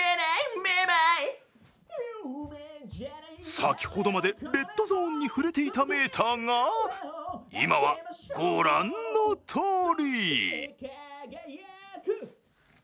先ほどまでレッドゾーンに振れていたメーターが今はご覧のとおり！